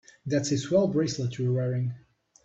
That's a swell bracelet you're wearing.